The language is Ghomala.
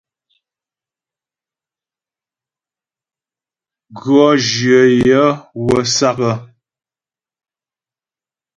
Gʉɔ́ jyə yaə̌ wə́ sǎk.